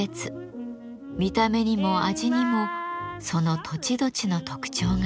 見た目にも味にもその土地土地の特徴が現れます。